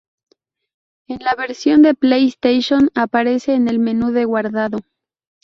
En la versión de PlayStation aparece en el menú de guardado.